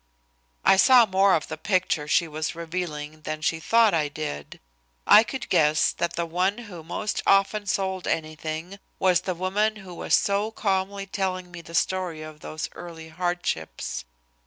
I saw more of the picture she was revealing than she thought I did. I could guess that the one who most often sold anything was the woman who was so calmly telling me the story of those early hardships.